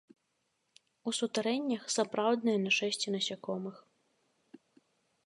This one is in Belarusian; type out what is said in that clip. У сутарэннях сапраўднае нашэсце насякомых.